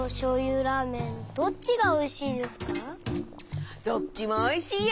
どっちもおいしいよ！